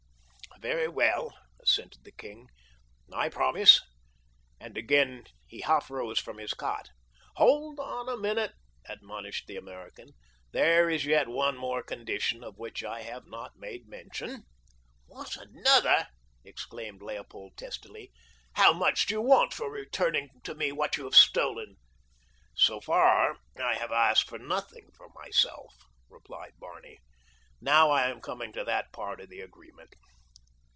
"Very well," assented the king. "I promise," and again he half rose from his cot. "Hold on a minute," admonished the American; "there is yet one more condition of which I have not made mention." "What, another?" exclaimed Leopold testily. "How much do you want for returning to me what you have stolen?" "So far I have asked for nothing for myself," replied Barney. "Now I am coming to that part of the agreement.